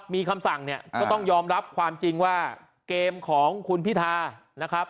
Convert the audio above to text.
มีคำสั่งเนี่ยก็ต้องยอมรับความจริงว่าเกมของคุณพิธานะครับ